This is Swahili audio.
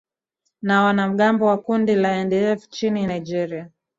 na wanamgambo wa kundi la ndlf nchini nigeria